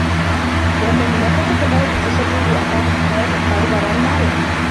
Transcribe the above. لِأَنَّ الْمُنَافَسَةَ طَلَبُ التَّشَبُّهِ بِالْأَفَاضِلِ مِنْ غَيْرِ إدْخَالِ ضَرَرٍ عَلَيْهِمْ